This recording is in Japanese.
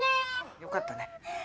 よかったね。